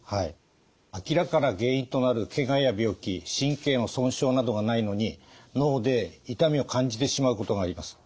明らかな原因となるけがや病気神経の損傷などがないのに脳で痛みを感じてしまうことがあります。